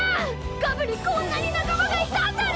ガブにこんなになかまがいたんだね！